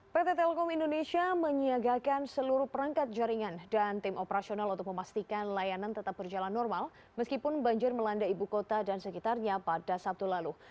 pt telkom indonesia menyiagakan seluruh perangkat jaringan dan tim operasional untuk memastikan layanan tetap berjalan normal meskipun banjir melanda ibu kota dan sekitarnya pada sabtu lalu